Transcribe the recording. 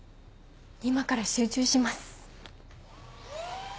今から集中します。